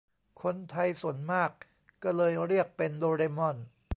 คนไทยส่วนมากก็เลยเรียกเป็นโดเรมอน